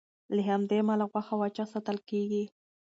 له همدې امله غوښه وچه ساتل کېږي.